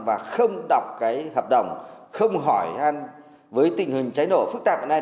và không đọc cái hợp đồng không hỏi với tình hình cháy nổ phức tạp này